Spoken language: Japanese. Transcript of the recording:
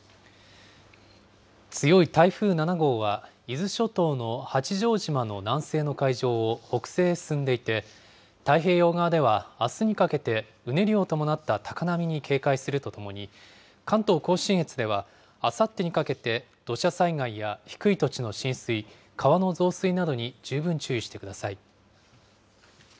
強い台風７号は、伊豆諸島の八丈島の南西の海上を北西へ進んでいて、太平洋側ではあすにかけて、うねりを伴った高波に警戒するとともに、関東甲信越ではあさってにかけて、土砂災害や低い土地の浸水、川の増水などに十分注意してください。